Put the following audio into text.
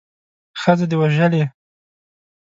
ښځه دې وژلې.